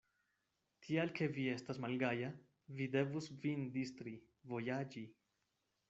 Tial ke vi estas malgaja, vi devus vin distri, vojaĝi.